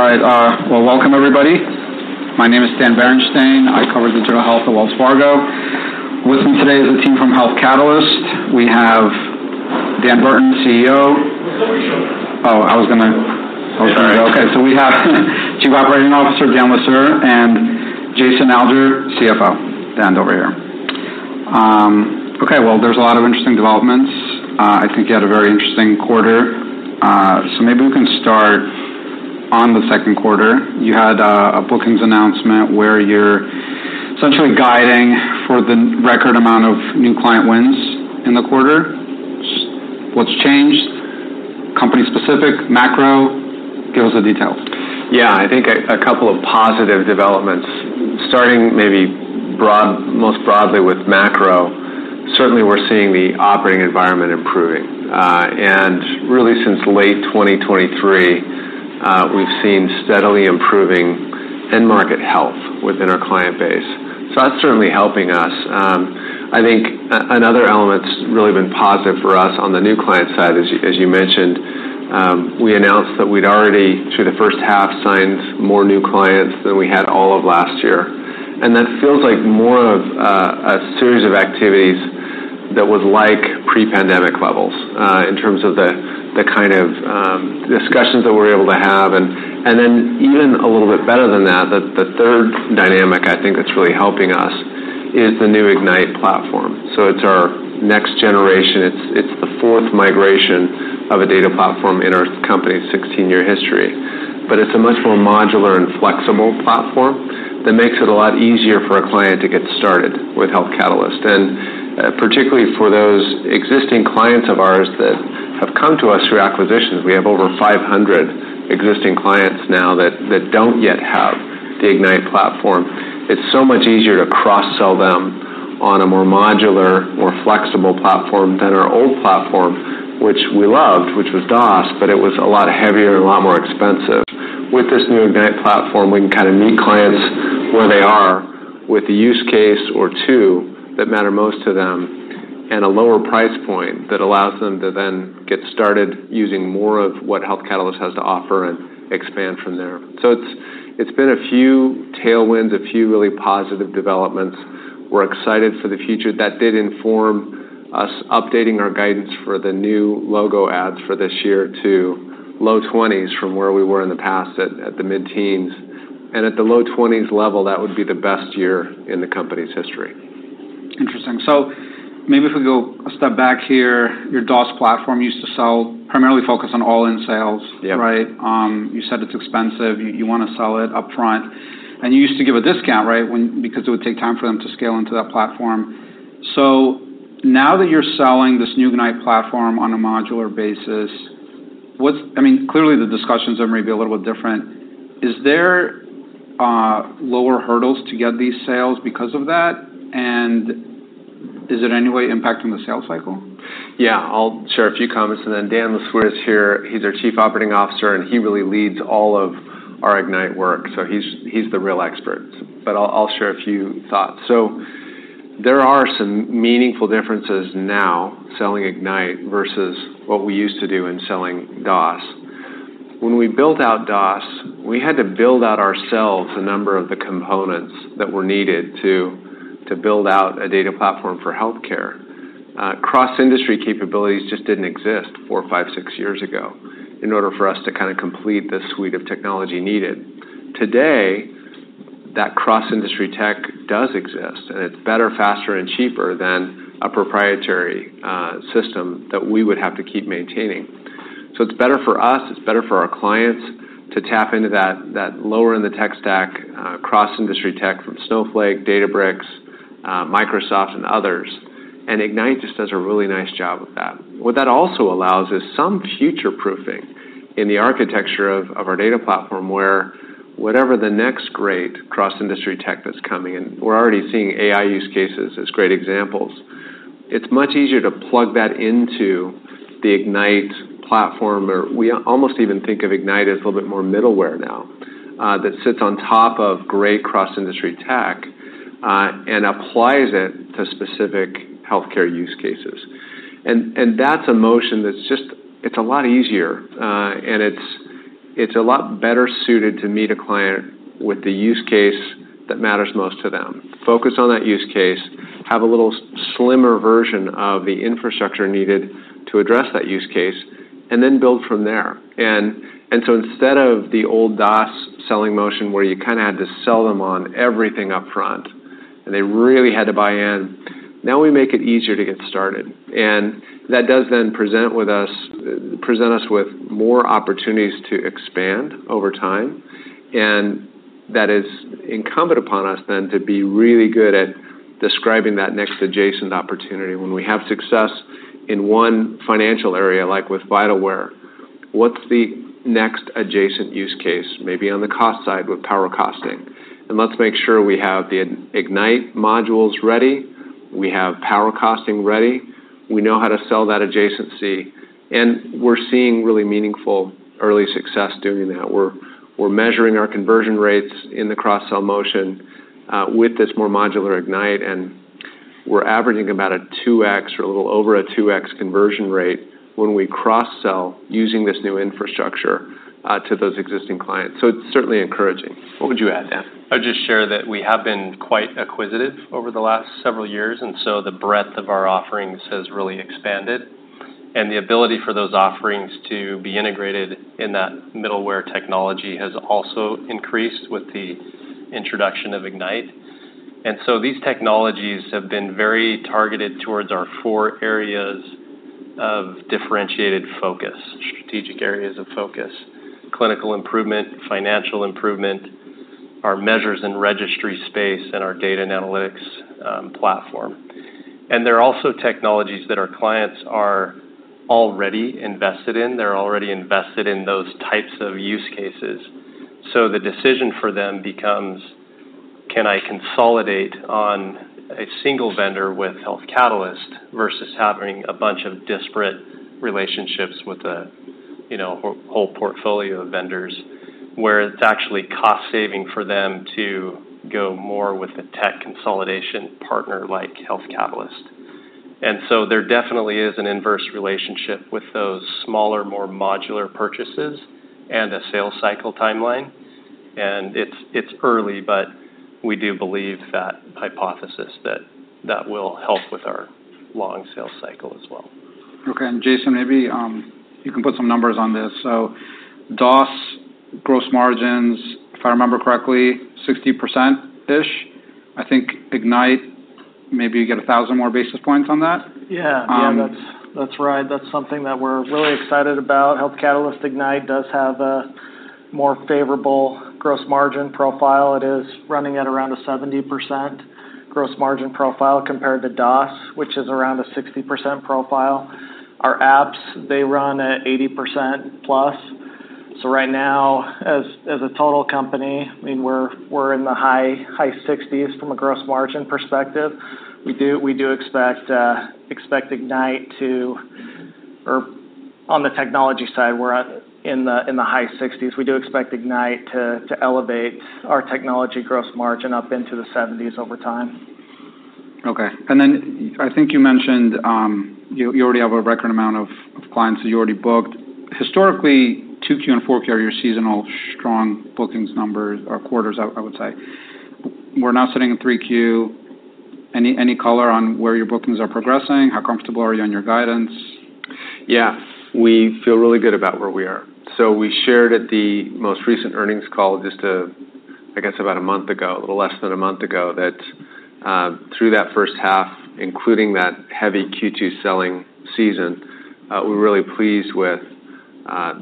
All right, welcome, everybody. My name is Dave Bernstein. I cover Digital Health at Wells Fargo. With me today is a team from Health Catalyst. We have Dan Burton, CEO. Oh, I was gonna- Yeah. Okay, so we have Chief Operating Officer, Dan LeSueur, and Jason Alger, CFO. Stand over here. Okay, well, there's a lot of interesting developments. I think you had a very interesting quarter, so maybe we can start on the second quarter. You had a bookings announcement where you're essentially guiding for the record amount of new client wins in the quarter. What's changed? Company-specific, macro, give us the details. Yeah, I think a couple of positive developments, starting most broadly with macro. Certainly, we're seeing the operating environment improving. And really, since late 2023, we've seen steadily improving end market health within our client base. So that's certainly helping us. I think another element's really been positive for us on the new client side, as you mentioned. We announced that we'd already, through the first half, signed more new clients than we had all of last year. And that feels like more of a series of activities that was like pre-pandemic levels in terms of the kind of discussions that we're able to have. And then even a little bit better than that, the third dynamic, I think that's really helping us, is the new Ignite platform. So it's our next generation. It's the fourth migration of a data platform in our company's 16-year history. But it's a much more modular and flexible platform that makes it a lot easier for a client to get started with Health Catalyst. And, particularly for those existing clients of ours that have come to us through acquisitions, we have over 500 existing clients now that don't yet have the Ignite platform. It's so much easier to cross-sell them on a more modular, more flexible platform than our old platform, which we loved, which was DOS, but it was a lot heavier and a lot more expensive. With this new Ignite platform, we can kinda meet clients where they are, with the use case or two that matter most to them, and a lower price point that allows them to then get started using more of what Health Catalyst has to offer and expand from there. So it's been a few tailwinds, a few really positive developments. We're excited for the future. That did inform us updating our guidance for the new logo adds for this year to low twenties from where we were in the past at the mid-teens. And at the low twenties level, that would be the best year in the company's history. Interesting, so maybe if we go a step back here, your DOS platform used to sell, primarily focus on all-in sales- Yeah. Right? You said it's expensive, you wanna sell it upfront, and you used to give a discount, right? When, because it would take time for them to scale into that platform. So now that you're selling this new Ignite platform on a modular basis, what's? I mean, clearly, the discussions are maybe a little bit different. Is there lower hurdles to get these sales because of that, and is it any way impacting the sales cycle? Yeah, I'll share a few comments, and then Dan LeSueur is here. He's our Chief Operating Officer, and he really leads all of our Ignite work, so he's the real expert. But I'll share a few thoughts. There are some meaningful differences now, selling Ignite versus what we used to do in selling DOS. When we built out DOS, we had to build out ourselves a number of the components that were needed to build out a data platform for healthcare. Cross-industry capabilities just didn't exist four, five, six years ago, in order for us to kinda complete the suite of technology needed. Today, that cross-industry tech does exist, and it's better, faster, and cheaper than a proprietary system that we would have to keep maintaining. So it's better for us, it's better for our clients to tap into that lower in the tech stack, cross-industry tech from Snowflake, Databricks, Microsoft and others. And Ignite just does a really nice job with that. What that also allows is some future-proofing in the architecture of our data platform, where whatever the next great cross-industry tech that's coming in, we're already seeing AI use cases as great examples. It's much easier to plug that into the Ignite platform, or we almost even think of Ignite as a little bit more middleware now, that sits on top of great cross-industry tech, and applies it to specific healthcare use cases. And that's a motion that's just. It's a lot easier, and it's a lot better suited to meet a client with the use case that matters most to them. Focus on that use case, have a little slimmer version of the infrastructure needed to address that use case, and then build from there. So instead of the old DOS selling motion, where you kinda had to sell them on everything upfront, and they really had to buy in, now we make it easier to get started. And that does then present us with more opportunities to expand over time, and that is incumbent upon us then to be really good at describing that next adjacent opportunity. When we have success in one financial area, like with Vitalware, what's the next adjacent use case? Maybe on the cost side with PowerCosting. And let's make sure we have the Ignite modules ready, we have PowerCosting ready, we know how to sell that adjacency, and we're seeing really meaningful early success doing that. We're measuring our conversion rates in the cross-sell motion with this more modular Ignite, and we're averaging about a 2X or a little over a 2X conversion rate when we cross-sell using this new infrastructure to those existing clients. So it's certainly encouraging. What would you add, Dan? I'd just share that we have been quite acquisitive over the last several years, and so the breadth of our offerings has really expanded, and the ability for those offerings to be integrated in that middleware technology has also increased with the introduction of Ignite. And so these technologies have been very targeted towards our four areas of differentiated focus, strategic areas of focus: clinical improvement, financial improvement, our measures and registry space, and our data and analytics platform, and they're also technologies that our clients are already invested in. They're already invested in those types of use cases, so the decision for them becomes: Can I consolidate on a single vendor with Health Catalyst versus having a bunch of disparate relationships with a, you know, whole portfolio of vendors? Where it's actually cost saving for them to go more with a tech consolidation partner like Health Catalyst. And so there definitely is an inverse relationship with those smaller, more modular purchases and a sales cycle timeline. And it's, it's early, but we do believe that hypothesis, that that will help with our long sales cycle as well. Okay, and Jason, maybe, you can put some numbers on this. So DOS gross margins, if I remember correctly, 60%-ish. I think Ignite, maybe you get 1,000 more basis points on that? Yeah. Um- Yeah, that's right. That's something that we're really excited about. Health Catalyst Ignite does have a more favorable gross margin profile. It is running at around a 70% gross margin profile compared to DOS, which is around a 60% profile. Our apps, they run at 80% plus. So right now, as a total company, I mean, we're in the high sixties from a gross margin perspective. We do expect Ignite to... Or on the technology side, we're in the high sixties. We do expect Ignite to elevate our technology gross margin up into the seventies over time. Okay. And then I think you mentioned you already have a record amount of clients that you already booked. Historically, 2Q and 4Q are your seasonal strong bookings numbers or quarters, I would say. We're now sitting in 3Q, any color on where your bookings are progressing? How comfortable are you on your guidance? Yeah, we feel really good about where we are. So we shared at the most recent earnings call, just, I guess about a month ago, a little less than a month ago, that, through that first half, including that heavy Q2 selling season, we're really pleased with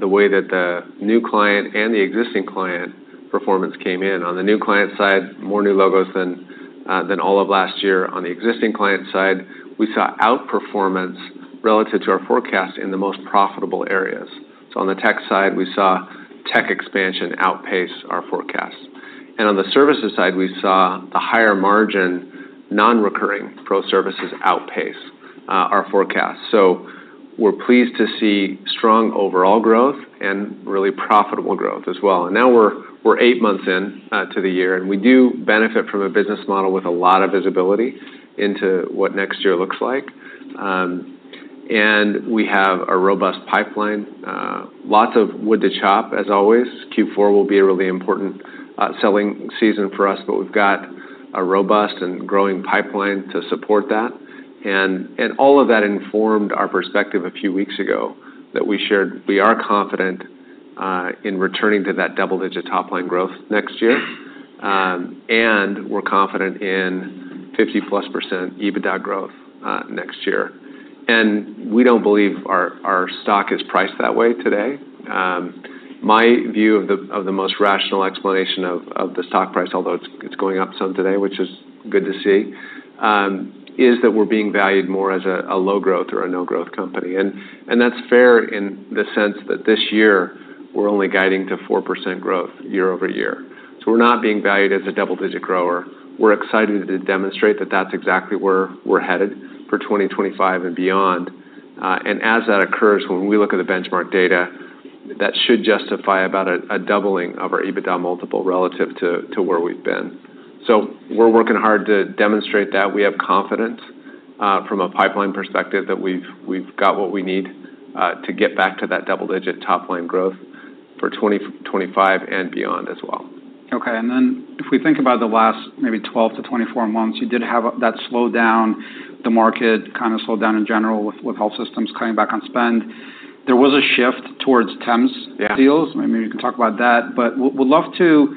the way that the new client and the existing client performance came in. On the new client side, more new logos than all of last year. On the existing client side, we saw outperformance relative to our forecast in the most profitable areas. So on the tech side, we saw tech expansion outpace our forecast. And on the services side, we saw the higher margin, non-recurring pro services outpace our forecast. So we're pleased to see strong overall growth and really profitable growth as well. And now we're eight months in to the year, and we do benefit from a business model with a lot of visibility into what next year looks like. And we have a robust pipeline, lots of wood to chop, as always. Q4 will be a really important selling season for us, but we've got a robust and growing pipeline to support that. And all of that informed our perspective a few weeks ago that we shared. We are confident in returning to that double-digit top line growth next year. And we're confident in 50-plus% EBITDA growth next year. And we don't believe our stock is priced that way today. My view of the most rational explanation of the stock price, although it's going up some today, which is good to see, is that we're being valued more as a low-growth or a no-growth company. That's fair in the sense that this year we're only guiding to 4% growth year over year. So we're not being valued as a double-digit grower. We're excited to demonstrate that that's exactly where we're headed for twenty twenty-five and beyond. As that occurs, when we look at the benchmark data, that should justify about a doubling of our EBITDA multiple relative to where we've been. So we're working hard to demonstrate that. We have confidence from a pipeline perspective that we've got what we need to get back to that double-digit top line growth for 2025 and beyond as well. Okay. And then if we think about the last maybe twelve to twenty-four months, you did have that slowdown, the market kind of slowed down in general with health systems cutting back on spend. There was a shift towards TEMS- Yeah deals. Maybe you can talk about that. But would love to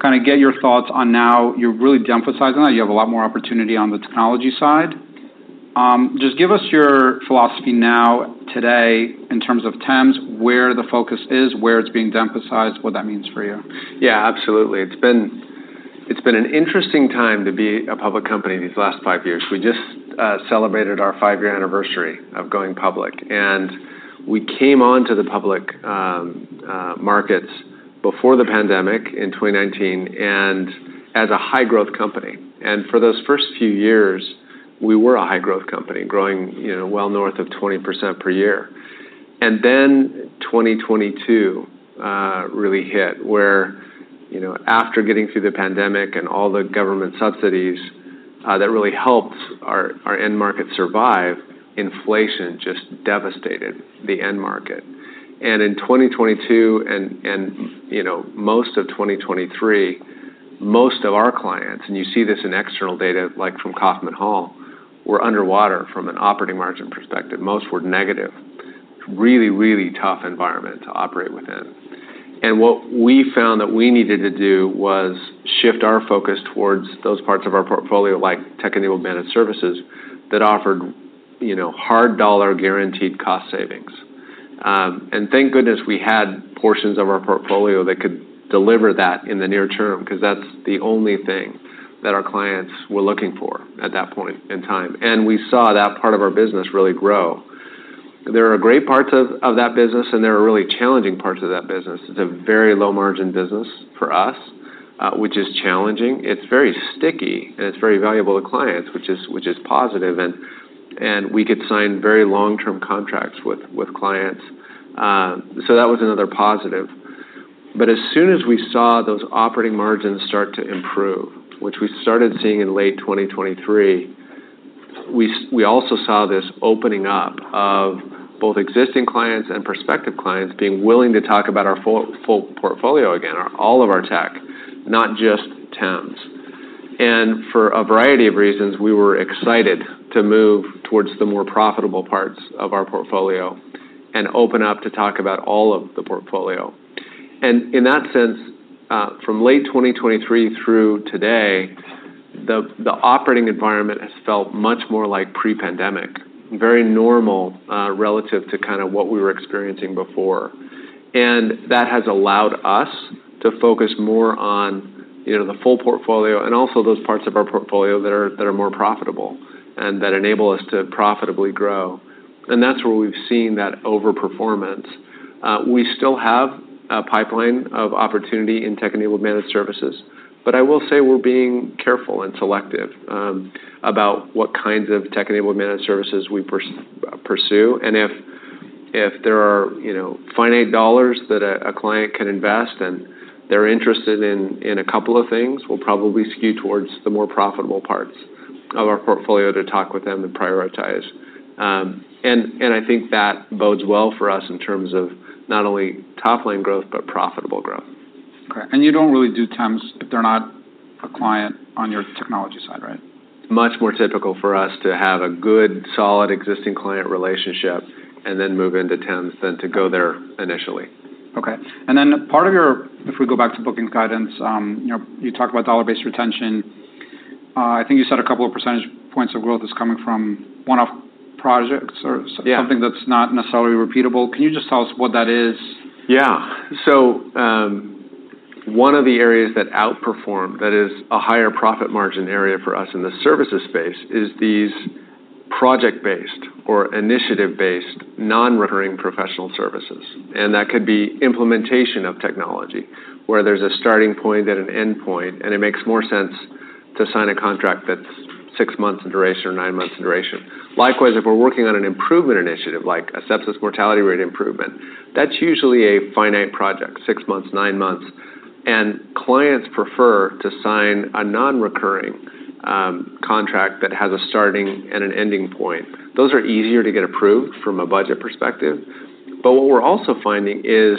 kinda get your thoughts on now. You're really de-emphasizing that. You have a lot more opportunity on the technology side. Just give us your philosophy now, today, in terms of TEMS, where the focus is, where it's being de-emphasized, what that means for you. Yeah, absolutely. It's been an interesting time to be a public company these last five years. We just celebrated our five-year anniversary of going public, and we came onto the public markets before the pandemic in 2019, and as a high-growth company. For those first few years, we were a high-growth company, growing, you know, well north of 20% per year. Then 2022 really hit, where, you know, after getting through the pandemic and all the government subsidies that really helped our end market survive, inflation just devastated the end market. In 2022, you know, most of 2023, most of our clients, and you see this in external data, like from Kaufman Hall, were underwater from an operating margin perspective. Most were negative. Really, really tough environment to operate within. What we found that we needed to do was shift our focus towards those parts of our portfolio, like tech-enabled managed services, that offered, you know, hard dollar guaranteed cost savings. And thank goodness we had portions of our portfolio that could deliver that in the near term, 'cause that's the only thing that our clients were looking for at that point in time, and we saw that part of our business really grow. There are great parts of that business, and there are really challenging parts of that business. It's a very low margin business for us, which is challenging. It's very sticky, and it's very valuable to clients, which is positive, and we could sign very long-term contracts with clients. So that was another positive. But as soon as we saw those operating margins start to improve, which we started seeing in late 2023, we also saw this opening up of both existing clients and prospective clients being willing to talk about our full portfolio again, or all of our tech, not just TEMS. And for a variety of reasons, we were excited to move towards the more profitable parts of our portfolio and open up to talk about all of the portfolio. And in that sense, from late 2023 through today, the operating environment has felt much more like pre-pandemic, very normal, relative to kind of what we were experiencing before. And that has allowed us to focus more on, you know, the full portfolio and also those parts of our portfolio that are more profitable and that enable us to profitably grow. And that's where we've seen that overperformance. We still have a pipeline of opportunity in tech-enabled managed services, but I will say we're being careful and selective about what kinds of tech-enabled managed services we pursue. And if there are, you know, finite dollars that a client can invest, and they're interested in a couple of things, we'll probably skew towards the more profitable parts of our portfolio to talk with them and prioritize. And I think that bodes well for us in terms of not only top line growth, but profitable growth. Okay, and you don't really do TEMS if they're not a client on your technology side, right? Much more typical for us to have a good, solid existing client relationship and then move into TEMS than to go there initially. Okay, and then part of your... If we go back to bookings guidance, you know, you talk about dollar-based retention. I think you said a couple of percentage points of growth is coming from one-off projects or- Yeah - something that's not necessarily repeatable. Can you just tell us what that is? Yeah, so one of the areas that outperformed, that is a higher profit margin area for us in the services space, is these project-based or initiative-based, non-recurring professional services. And that could be implementation of technology, where there's a starting point and an end point, and it makes more sense to sign a contract that's six months in duration or nine months in duration. Likewise, if we're working on an improvement initiative, like a sepsis mortality rate improvement, that's usually a finite project, six months, nine months, and clients prefer to sign a non-recurring contract that has a starting and an ending point. Those are easier to get approved from a budget perspective. But what we're also finding is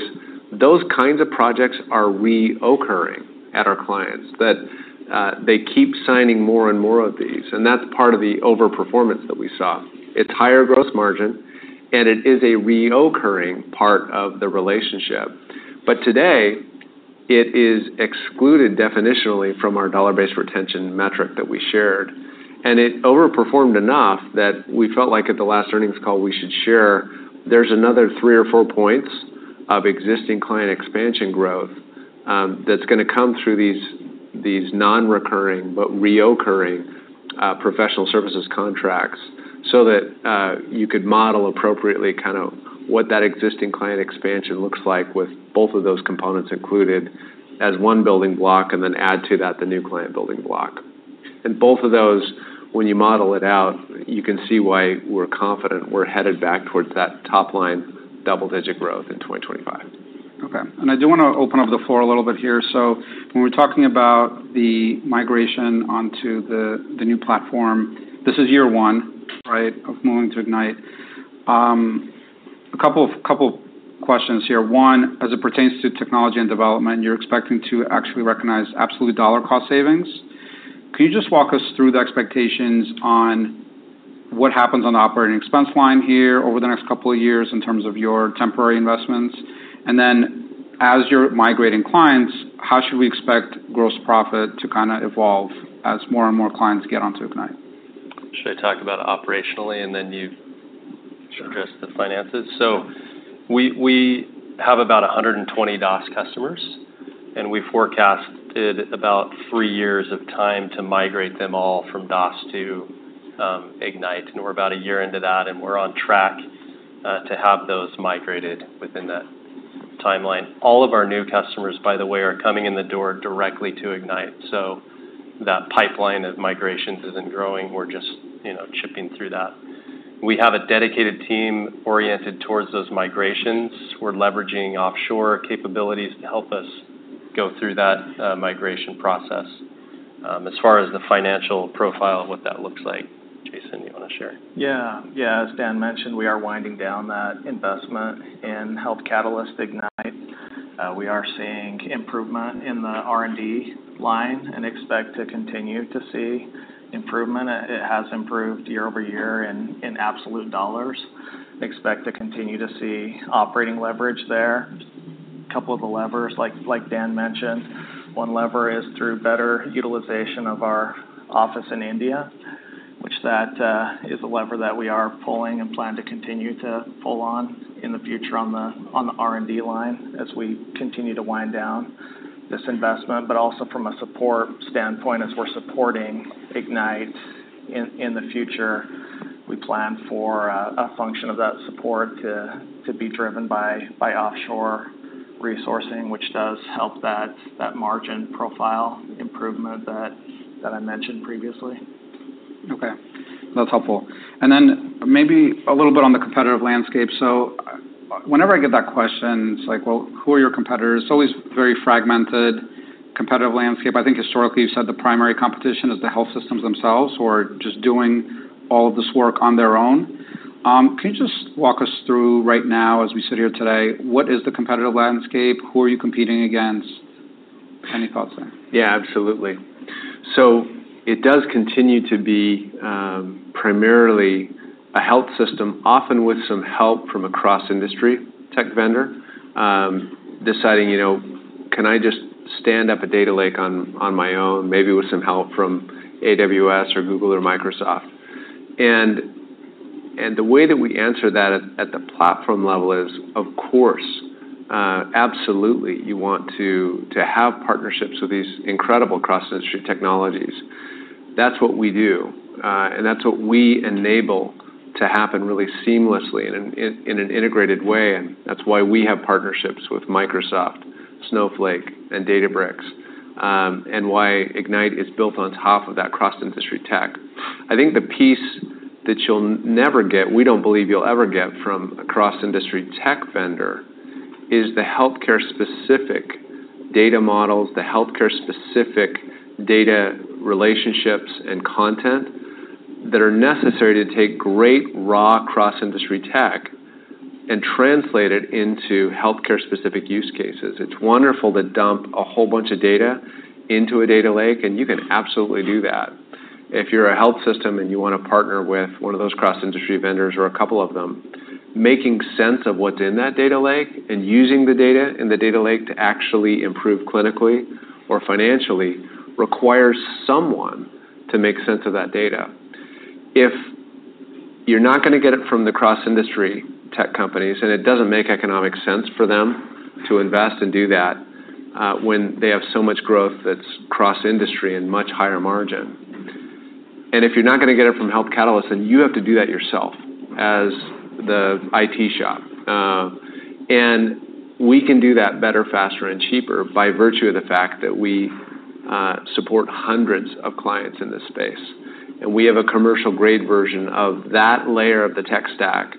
those kinds of projects are recurring at our clients, that they keep signing more and more of these, and that's part of the overperformance that we saw. It's higher gross margin, and it is a recurring part of the relationship. But today, it is excluded definitionally from our dollar-based retention metric that we shared. And it overperformed enough that we felt like at the last earnings call, we should share, there's another three or four points of existing client expansion growth, that's gonna come through these non-recurring, but recurring, professional services contracts, so that you could model appropriately kind of what that existing client expansion looks like with both of those components included as one building block, and then add to that the new client building block. And both of those, when you model it out, you can see why we're confident we're headed back towards that top line, double-digit growth in 2025. Okay, and I do wanna open up the floor a little bit here. So when we're talking about the migration onto the new platform, this is year one, right, of moving to Ignite. A couple questions here. One, as it pertains to technology and development, you're expecting to actually recognize absolute dollar cost savings. Can you just walk us through the expectations on what happens on the operating expense line here over the next couple of years in terms of your temporary investments? And then, as you're migrating clients, how should we expect gross profit to kinda evolve as more and more clients get onto Ignite? Should I talk about it operationally, and then you- Sure. address the finances? So we have about 120 DOS customers, and we forecasted about three years of time to migrate them all from DOS to Ignite. And we're about a year into that, and we're on track to have those migrated within that.... timeline. All of our new customers, by the way, are coming in the door directly to Ignite, so that pipeline of migrations isn't growing. We're just, you know, chipping through that. We have a dedicated team oriented towards those migrations. We're leveraging offshore capabilities to help us go through that, migration process. As far as the financial profile and what that looks like, Jason, you wanna share? Yeah. Yeah, as Dan mentioned, we are winding down that investment in Health Catalyst Ignite. We are seeing improvement in the R&D line and expect to continue to see improvement. It has improved year over year in absolute dollars. Expect to continue to see operating leverage there. Couple of the levers, like Dan mentioned, one lever is through better utilization of our office in India, which is a lever that we are pulling and plan to continue to pull on in the future on the R&D line, as we continue to wind down this investment. Also from a support standpoint, as we're supporting Ignite in the future, we plan for a function of that support to be driven by offshore resourcing, which does help that margin profile improvement that I mentioned previously. Okay, that's helpful. And then maybe a little bit on the competitive landscape. So whenever I get that question, it's like, Well, who are your competitors? It's always very fragmented, competitive landscape. I think historically, you've said the primary competition is the health systems themselves, or just doing all of this work on their own. Can you just walk us through right now, as we sit here today, what is the competitive landscape? Who are you competing against? Any thoughts there? Yeah, absolutely. So it does continue to be, primarily a health system, often with some help from a cross-industry tech vendor, deciding, you know, can I just stand up a data lake on my own, maybe with some help from AWS or Google or Microsoft? And the way that we answer that at the platform level is, of course, absolutely, you want to have partnerships with these incredible cross-industry technologies. That's what we do, and that's what we enable to happen really seamlessly and in an integrated way, and that's why we have partnerships with Microsoft, Snowflake, and Databricks, and why Ignite is built on top of that cross-industry tech. I think the piece that you'll never get, we don't believe you'll ever get from a cross-industry tech vendor, is the healthcare-specific data models, the healthcare-specific data relationships and content that are necessary to take great raw cross-industry tech and translate it into healthcare-specific use cases. It's wonderful to dump a whole bunch of data into a data lake, and you can absolutely do that. If you're a health system, and you wanna partner with one of those cross-industry vendors or a couple of them, making sense of what's in that data lake and using the data in the data lake to actually improve clinically or financially, requires someone to make sense of that data. If you're not gonna get it from the cross-industry tech companies, and it doesn't make economic sense for them to invest and do that, when they have so much growth that's cross-industry and much higher margin, and if you're not gonna get it from Health Catalyst, then you have to do that yourself as the IT shop. And we can do that better, faster, and cheaper by virtue of the fact that we support hundreds of clients in this space, and we have a commercial-grade version of that layer of the tech stack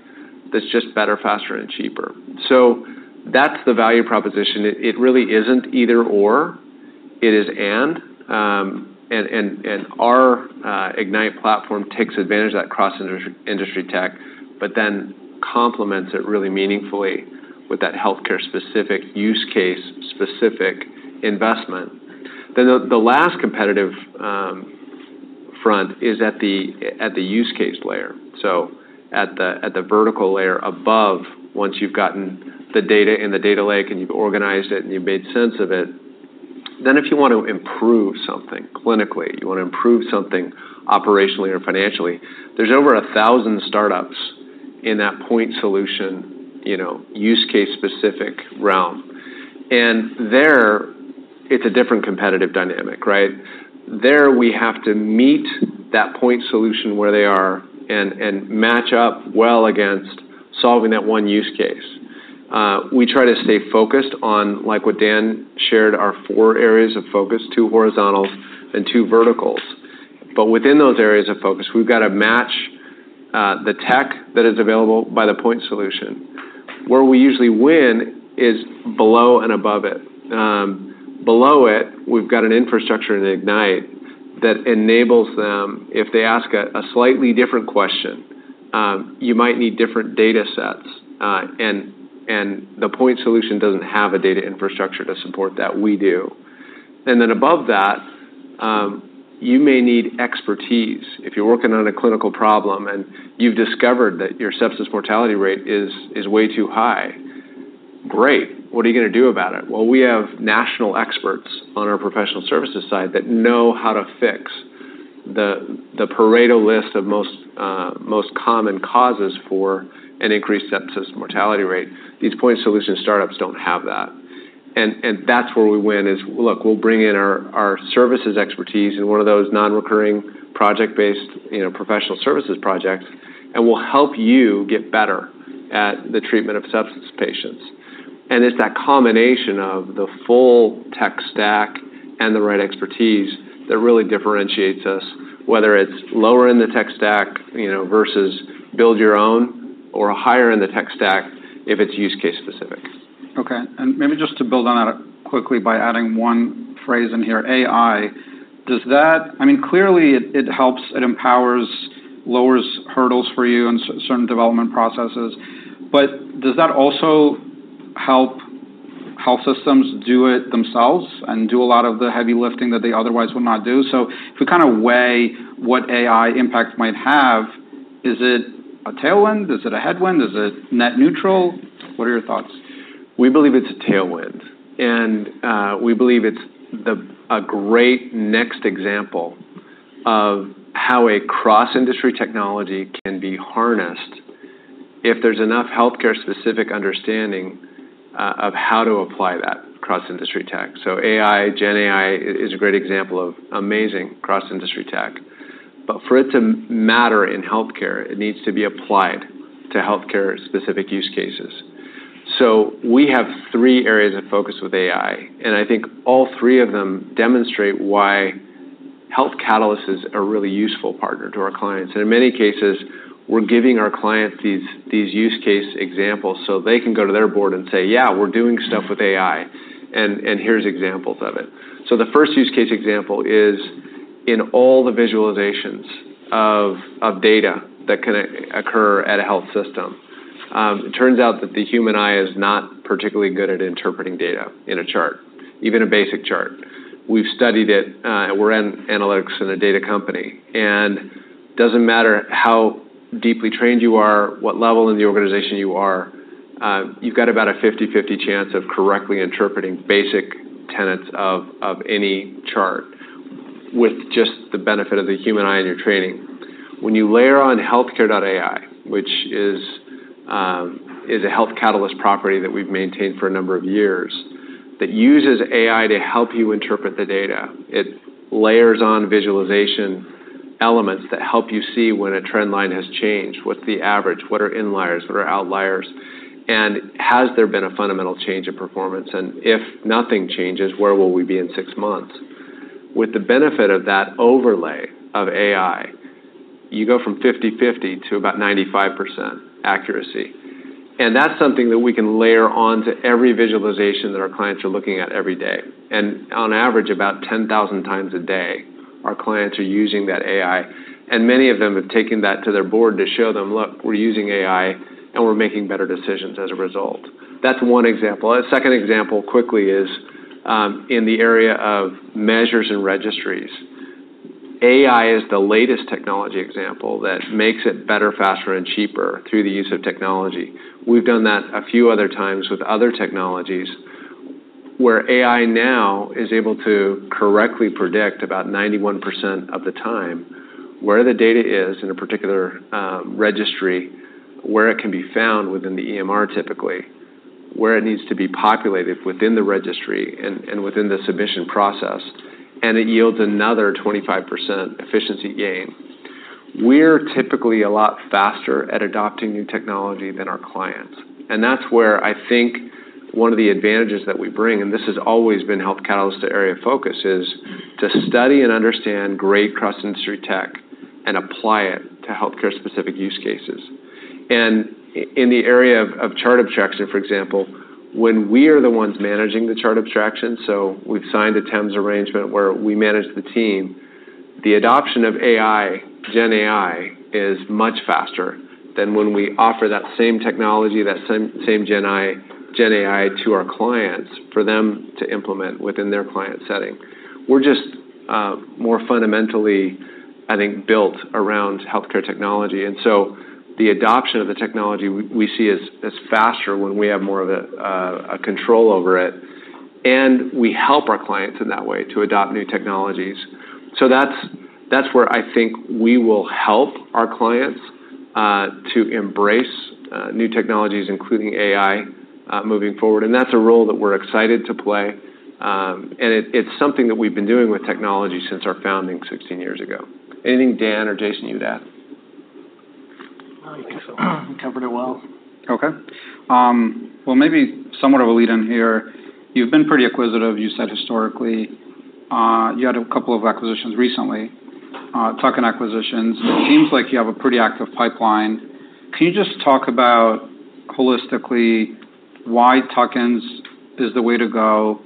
that's just better, faster, and cheaper. So that's the value proposition. It really isn't either/or, it is and. And our Ignite platform takes advantage of that cross-industry tech, but then complements it really meaningfully with that healthcare-specific, use case-specific investment. Then the last competitive front is at the use case layer. So at the vertical layer above, once you've gotten the data in the data lake, and you've organized it, and you've made sense of it, then if you want to improve something clinically, you wanna improve something operationally or financially, there's over a thousand startups in that point solution, you know, use case-specific realm. And there, it's a different competitive dynamic, right? There, we have to meet that point solution where they are and match up well against solving that one use case. We try to stay focused on, like what Dan shared, our four areas of focus, two horizontals and two verticals. But within those areas of focus, we've got to match the tech that is available by the point solution. Where we usually win is below and above it. Below it, we've got an infrastructure in Ignite that enables them. If they ask a slightly different question, you might need different data sets, and the point solution doesn't have a data infrastructure to support that. We do, and then above that, you may need expertise. If you're working on a clinical problem, and you've discovered that your sepsis mortality rate is way too high, great! What are you gonna do about it? We have national experts on our professional services side that know how to fix the Pareto list of most common causes for an increased sepsis mortality rate. These point solution startups don't have that. And that's where we win. Look, we'll bring in our services expertise in one of those non-recurring project-based, you know, professional services projects, and we'll help you get better at the treatment of sepsis patients. It's that combination of the full tech stack and the right expertise that really differentiates us, whether it's lower in the tech stack, you know, versus build your own, or higher in the tech stack, if it's use case specific. Okay. And maybe just to build on that quickly by adding one phrase in here, AI. Does that, I mean, clearly, it helps, it empowers, lowers hurdles for you in certain development processes. But does that also help health systems do it themselves and do a lot of the heavy lifting that they otherwise would not do? So if you kinda weigh what AI impact might have, is it a tailwind? Is it a headwind? Is it net neutral? What are your thoughts? We believe it's a tailwind, and we believe it's a great next example of how a cross-industry technology can be harnessed if there's enough healthcare-specific understanding of how to apply that cross-industry tech. So AI, GenAI, is a great example of amazing cross-industry tech. But for it to matter in healthcare, it needs to be applied to healthcare-specific use cases. So we have three areas of focus with AI, and I think all three of them demonstrate why Health Catalyst is a really useful partner to our clients. And in many cases, we're giving our clients these use case examples, so they can go to their board and say, "Yeah, we're doing stuff with AI, and here's examples of it." So the first use case example is, in all the visualizations of data that can occur at a health system, it turns out that the human eye is not particularly good at interpreting data in a chart, even a basic chart. We've studied it, we're an analytics and a data company, and doesn't matter how deeply trained you are, what level in the organization you are, you've got about a fifty-fifty chance of correctly interpreting basic tenets of any chart with just the benefit of the human eye and your training. When you layer on healthcare.ai, which is a Health Catalyst property that we've maintained for a number of years, that uses AI to help you interpret the data, it layers on visualization elements that help you see when a trend line has changed. What's the average? What are inliers? What are outliers? And has there been a fundamental change in performance? And if nothing changes, where will we be in six months? With the benefit of that overlay of AI, you go from fifty-fifty to about 95% accuracy, and that's something that we can layer on to every visualization that our clients are looking at every day. On average, about 10,000 times a day, our clients are using that AI, and many of them have taken that to their board to show them, "Look, we're using AI, and we're making better decisions as a result." That's one example. A second example, quickly, is in the area of measures and registries. AI is the latest technology example that makes it better, faster, and cheaper through the use of technology. We've done that a few other times with other technologies, where AI now is able to correctly predict about 91% of the time where the data is in a particular registry, where it can be found within the EMR, typically, where it needs to be populated within the registry, and within the submission process, and it yields another 25% efficiency gain. We're typically a lot faster at adopting new technology than our clients, and that's where I think one of the advantages that we bring, and this has always been Health Catalyst area of focus, is to study and understand great cross-industry tech and apply it to healthcare-specific use cases. In the area of chart abstraction, for example, when we are the ones managing the chart abstraction, so we've signed a terms arrangement where we manage the team, the adoption of AI, GenAI, is much faster than when we offer that same technology, that same GenAI to our clients for them to implement within their client setting. We're just more fundamentally, I think, built around healthcare technology, and so the adoption of the technology we see as faster when we have more of a control over it, and we help our clients in that way to adopt new technologies. So that's where I think we will help our clients to embrace new technologies, including AI, moving forward, and that's a role that we're excited to play. It's something that we've been doing with technology since our founding sixteen years ago. Anything, Dan or Jason, to add? I don't think so. You covered it well. Okay, well, maybe somewhat of a lead-in here: You've been pretty acquisitive, you said historically. You had a couple of acquisitions recently, tuck-in acquisitions. It seems like you have a pretty active pipeline. Can you just talk about holistically why tuck-ins is the way to go?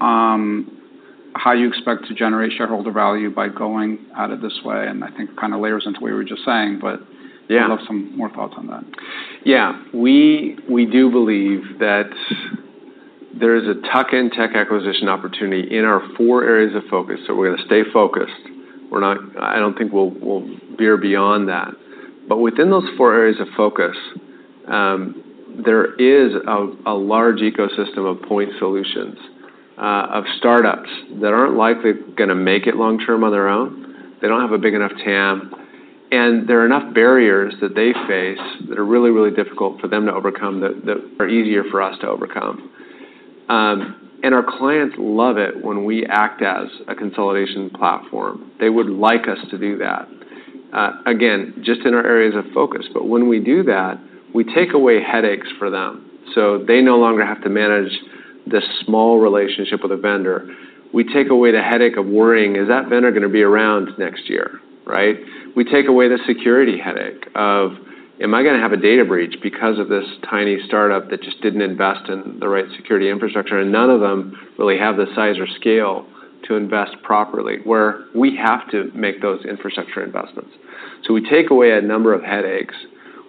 How you expect to generate shareholder value by going at it this way, and I think kind of layers into what you were just saying, but- Yeah. I'd love some more thoughts on that. Yeah. We do believe that there is a tuck-in tech acquisition opportunity in our four areas of focus, so we're gonna stay focused. We're not. I don't think we'll veer beyond that. But within those four areas of focus, there is a large ecosystem of point solutions of startups that aren't likely gonna make it long-term on their own. They don't have a big enough TAM. And there are enough barriers that they face that are really, really difficult for them to overcome, that are easier for us to overcome. And our clients love it when we act as a consolidation platform. They would like us to do that, again, just in our areas of focus. But when we do that, we take away headaches for them, so they no longer have to manage this small relationship with a vendor. We take away the headache of worrying, "Is that vendor gonna be around next year," right? We take away the security headache of, "Am I gonna have a data breach because of this tiny startup that just didn't invest in the right security infrastructure?" And none of them really have the size or scale to invest properly, where we have to make those infrastructure investments. So we take away a number of headaches.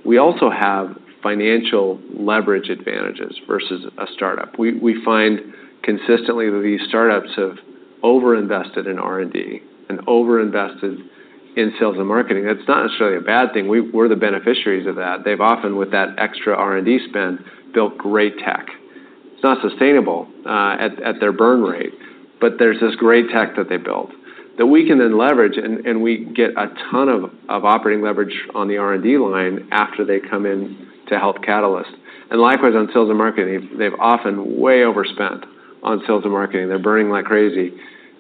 We also have financial leverage advantages versus a startup. We find consistently that these startups have overinvested in R&D and overinvested in sales and marketing. That's not necessarily a bad thing. We're the beneficiaries of that. They've often, with that extra R&D spend, built great tech. It's not sustainable at their burn rate, but there's this great tech that they built that we can then leverage, and we get a ton of operating leverage on the R&D line after they come in to Health Catalyst. And likewise, on sales and marketing, they've often way overspent on sales and marketing. They're burning like crazy,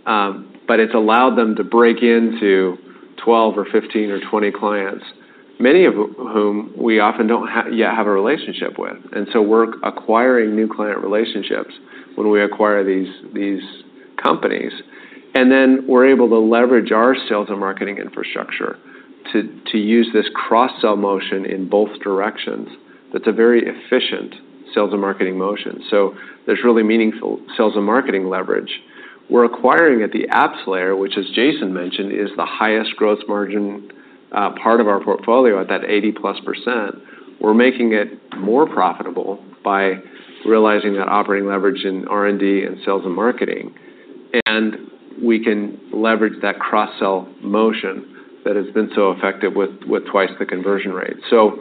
but it's allowed them to break into twelve or fifteen or twenty clients, many of whom we often don't yet have a relationship with. And so we're acquiring new client relationships when we acquire these companies, and then we're able to leverage our sales and marketing infrastructure to use this cross-sell motion in both directions. That's a very efficient sales and marketing motion. So there's really meaningful sales and marketing leverage. We're acquiring at the apps layer, which, as Jason mentioned, is the highest growth margin part of our portfolio, at that 80%+. We're making it more profitable by realizing that operating leverage in R&D and sales and marketing, and we can leverage that cross-sell motion that has been so effective with twice the conversion rate. So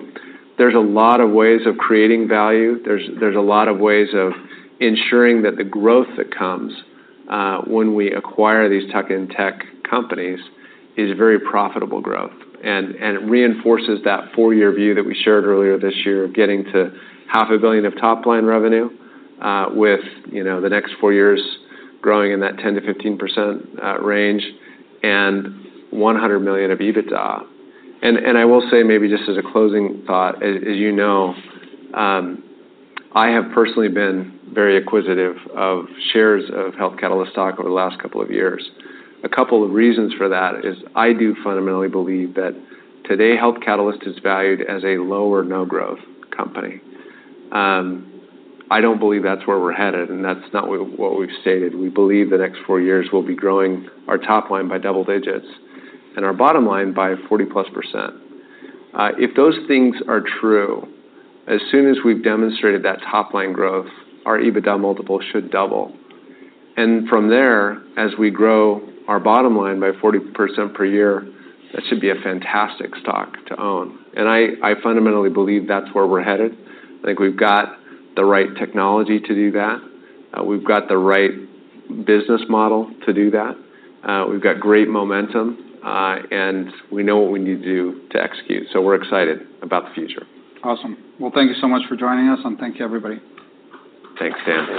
there's a lot of ways of creating value. There's a lot of ways of ensuring that the growth that comes when we acquire these tuck-in tech companies is very profitable growth. And it reinforces that four-year view that we shared earlier this year of getting to $500 million of top-line revenue, with, you know, the next four years growing in that 10%-15% range, and $100 million of EBITDA. I will say, maybe just as a closing thought, as you know, I have personally been very acquisitive of shares of Health Catalyst stock over the last couple of years. A couple of reasons for that is I do fundamentally believe that today, Health Catalyst is valued as a low or no growth company. I don't believe that's where we're headed, and that's not what we've stated. We believe the next four years we'll be growing our top line by double digits and our bottom line by 40+%. If those things are true, as soon as we've demonstrated that top-line growth, our EBITDA multiple should double. From there, as we grow our bottom line by 40% per year, that should be a fantastic stock to own. I fundamentally believe that's where we're headed. I think we've got the right technology to do that, we've got the right business model to do that, we've got great momentum, and we know what we need to do to execute, so we're excited about the future. Awesome. Well, thank you so much for joining us, and thank you, everybody. Thanks, Dan.